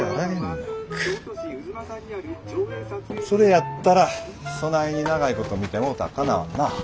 それやったらそないに長いこと見てもろたらかなわんな。